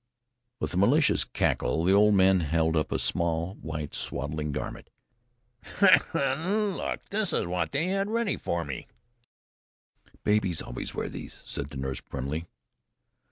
With a malicious crackle the old man held up a small white swaddling garment. "Look!" he quavered. "This is what they had ready for me." "Babies always wear those," said the nurse primly.